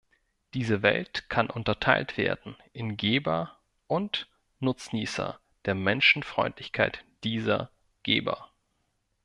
Diese Welt kann unterteilt werden in "Geber" und Nutznießer der Menschenfreundlichkeit dieser "Geber".